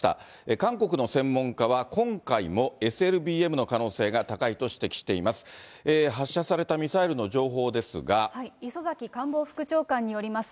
韓国の専門家は、今回もＳＬＢＭの可能性が高いと指摘しています。